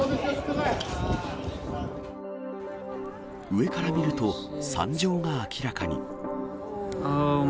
上から見ると、惨状が明らかに。